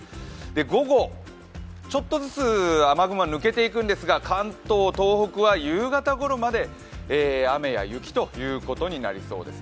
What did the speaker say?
午後、ちょっとずつ雨雲が抜けていくんですが関東、東北は夕方ごろまで雨や雪ということになりそうです。